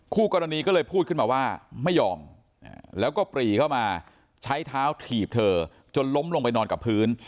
คู่กรณีก็เลยพูดขึ้นมาว่าไม่ยอมแล้วก็ปรีเข้ามาใช้เท้าถีบเธอจนล้มลงไปนอนกับพื้น